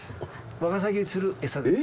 ワカサギを釣る餌です。